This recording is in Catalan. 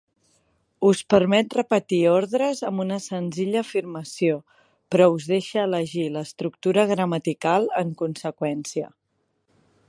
Us permet repetir ordres amb una senzilla afirmació, però us deixa elegir l'estructura gramatical en conseqüència.